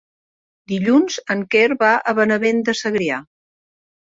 Dilluns en Quer va a Benavent de Segrià.